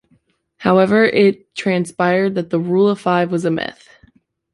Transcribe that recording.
However, it transpired that the 'rule of five' was a myth.